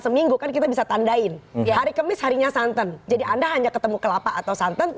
seminggu kan kita bisa tandain hari kemis harinya santan jadi anda hanya ketemu kelapa atau santan